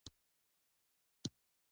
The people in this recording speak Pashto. د انتقال دغې طریقې ته تودوخې هدایت وايي.